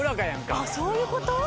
あっそういうこと？